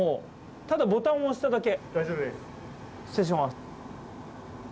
ただボタンを押しただけ。